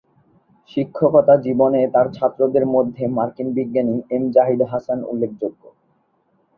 শিক্ষকতা জীবনে তার ছাত্রদের মধ্যে মার্কিন বিজ্ঞানী এম জাহিদ হাসান উল্লেখযোগ্য।